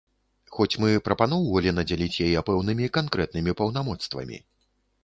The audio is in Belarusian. Хоць мы прапаноўвалі надзяліць яе пэўнымі, канкрэтнымі паўнамоцтвамі.